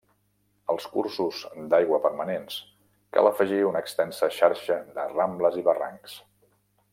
Als cursos d'aigua permanents cal afegir una extensa xarxa de rambles i barrancs.